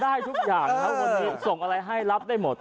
ได้ได้ทุกอย่างเขาส่งอะไรให้รับได้หมด